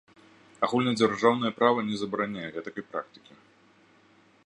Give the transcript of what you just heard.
Агульнадзяржаўнае права не забараняе гэтакай практыкі.